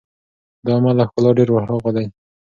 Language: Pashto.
دا عمل له ښکلا ډېر ور هاخوا دی.